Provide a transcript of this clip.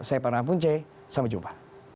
saya pak ramapunce sampai jumpa